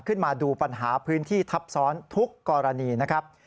ขึ้นมาดูปัญหาพื้นที่ทับซ้อนทุกกรณีนะครับ